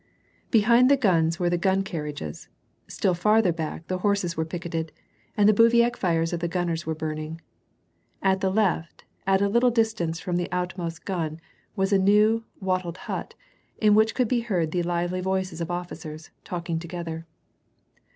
Behind the guns were the gun carriages ; still farther back, the horses were picketed, and the bivouac fires of the gunnei s were burning. At the left, at a little distance from the outer most gun, was a new, wattled hut, in which could be heard the lively voices of officers, talking together.